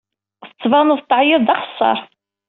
Tettbaned-d teɛyid d axeṣṣar.